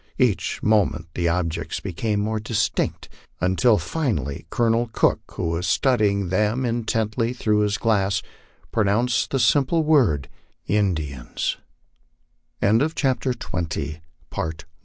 Each moment the objects became more distinct, until finally Colonel Cook, who was studying them intently through his glass, pronounced the simple word, " In 226 MY LIFE ON THE PLAINS. dians." "Ef